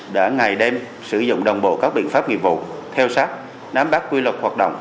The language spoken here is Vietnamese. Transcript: đã ngày đêm sử dụng đồng bộ các biện pháp nghiệp vụ theo sát nắm bắt quy luật hoạt động